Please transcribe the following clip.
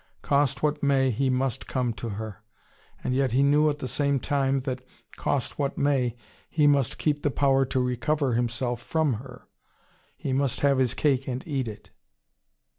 Cost what may, he must come to her. And yet he knew at the same time that, cost what may, he must keep the power to recover himself from her. He must have his cake and eat it.